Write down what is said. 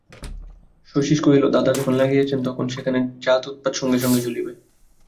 শচীশ কহিল, দাদা যখন লাগিয়াছেন তখন যেখানে যাও উৎপাত সঙ্গে সঙ্গে চলিবে।